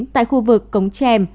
tại khu vực cống trèm